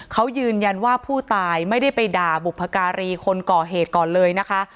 เขายืนยันว่าผู้ตายไม่ได้ไปด่าบุพการีคนก่อเหตุก่อนเลยนะคะ